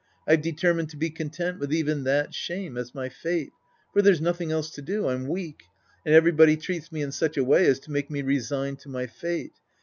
I've determined to be content with even that shame as my fate. For there's noth ing else to do. I'm weak. And everybody treats me in such a way as to make me resigned to m.y fate.